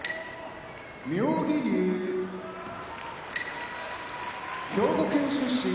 妙義龍兵庫県出身